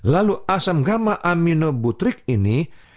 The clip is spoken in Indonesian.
lalu asam gamma aminobutrix ini